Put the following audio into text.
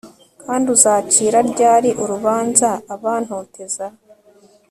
kandi uzacira ryari urubanza abantoteza